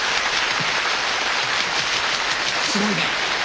すごいね。